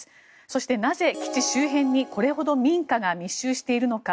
そしてなぜ、基地周辺にこれほど民家が密集しているのか。